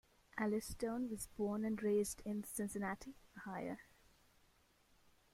Alice Stone was born and raised in Cincinnati, Ohio.